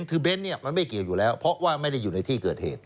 คือเบนท์เนี่ยมันไม่เกี่ยวอยู่แล้วเพราะว่าไม่ได้อยู่ในที่เกิดเหตุ